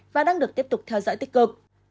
và đang được tiếp tục theo dõi tích cực